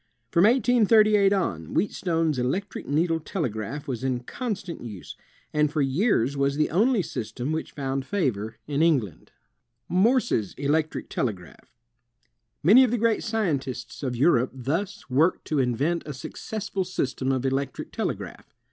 From 1838 on, Wheatstone's electric needle telegraph was in constant use, and for years was the only system which found favor in England. SAMUEL F. B. MORSE 213 Morse's Electric Telegraph Many of the great scientists of Europe thus worked to invent a successful system of electric telegraph.